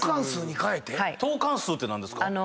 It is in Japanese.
トーカンスーって何ですか？